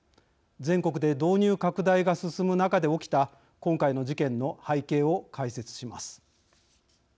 全国で導入拡大が進む中で起きた今回の事件の背景を解説します。